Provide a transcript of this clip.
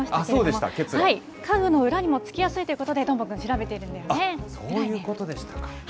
家具の裏にもつきやすいということで、どーもくん、調べていそういうことでしたか。